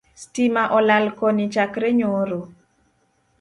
Stima olal Koni chakre nyoro